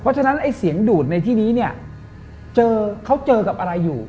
เพราะฉะนั้นไอ้เสียงดูดในที่นี้เนี่ยเจอเขาเจอกับอะไรอยู่